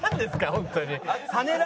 ホントに。